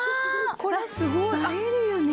これすごい。「映える」よね